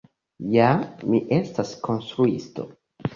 Ja, mi estas konstruisto.